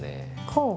こう。